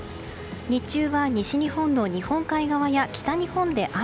日中は西日本の日本海側や北日本で雨。